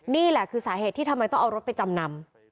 นี่แหละคือสาเหตุที่ทำไมต้องเอารถไปจำนำ